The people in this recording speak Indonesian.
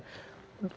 ya putusan pengadilan